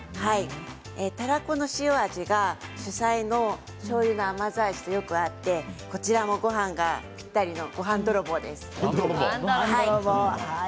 たらこの塩味が主菜のしょうゆの甘酢味とよく合ってこちらもごはんがぴったりのごはん泥棒です。